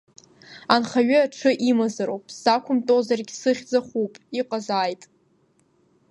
Анхаҩы аҽы имазароуп, сзақәымтәозаргьы, сыхьӡ ахыуп, иҟазааит!